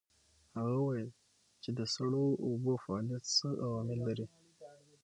هغه وویل چې د سړو اوبو فعالیت څو عوامل لري.